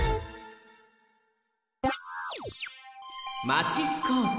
マチスコープ。